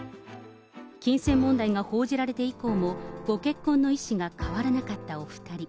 金銭問題が報じられて以降も、ご結婚の意思が変わらなかったお２人。